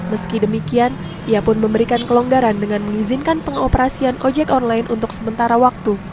meski demikian ia pun memberikan kelonggaran dengan mengizinkan pengoperasian ojek online untuk sementara waktu